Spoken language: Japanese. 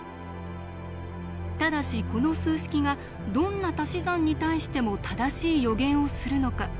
ただしこの数式がどんなたし算に対しても正しい予言をするのか。